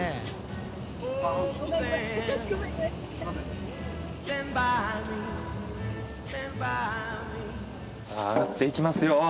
徳永：さあ、上がっていきますよ